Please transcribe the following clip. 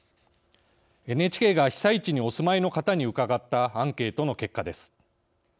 ＮＨＫが被災地にお住まいの方に伺ったアンケートの結果です。